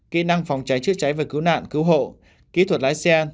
kỹ năng phòng cháy trước cháy về cứu nạn cứu hộ kỹ thuật lái xe